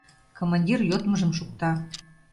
Командир йодмыжым шукта.